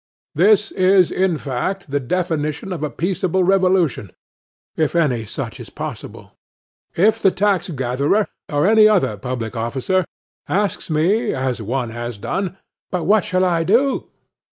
This is, in fact, the definition of a peaceable revolution, if any such is possible. If the tax gatherer, or any other public officer, asks me, as one has done, "But what shall I do?"